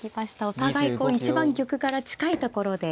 お互い一番玉から近いところで。